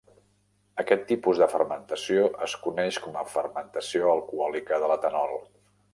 Aquest tipus de fermentació es coneix com a fermentació alcohòlica de l'etanol.